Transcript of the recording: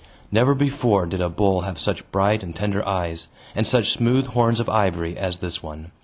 Never before did a bull have such bright and tender eyes, and such smooth horns of ivory, as this one.